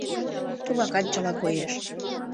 Тугакат чыла коеш.